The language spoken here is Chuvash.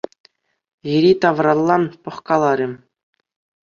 Йӗри-тавралла пӑхкаларӗ.